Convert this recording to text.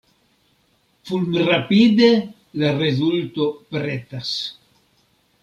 Fulmrapide la rezulto pretas.